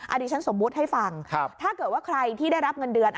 อันนี้ฉันสมมุติให้ฟังถ้าเกิดว่าใครที่ได้รับเงินเดือน